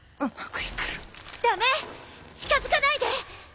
駄目近づかないで。